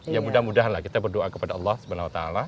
ya mudah mudahan lah kita berdoa kepada allah swt